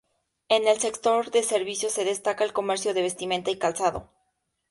En el sector de servicios se destaca el comercio de vestimenta y calzado.